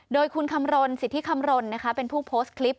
โดยคุณคำรณสิทธิคำรณเป็นผู้โพสต์คลิป